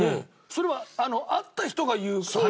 それはあった人が言う話。